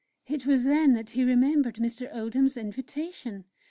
It was then that he remembered Mr. Oldham's invitation.